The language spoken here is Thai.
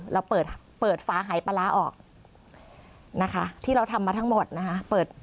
เราเปิดฟ้าหายปลาร้าออกนะคะที่เราทำมาทั้งหมดนะคะ